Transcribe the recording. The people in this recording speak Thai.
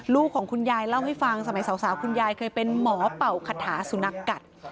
ของคุณยายเล่าให้ฟังสมัยสาวคุณยายเคยเป็นหมอเป่าคาถาสุนัขกัด